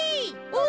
お。